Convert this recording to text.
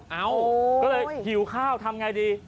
เอาก็เลยหิวข้าวทำไงดี